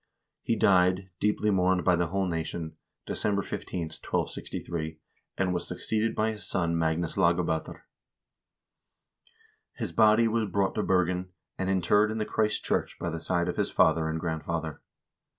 1 He died, deeply mourned by the whole nation, December 15, 1263, and was succeeded by his son Magnus Lagab0ter. His body was brought to Bergen, and interred in the Christ church by the side of his father and grandfather.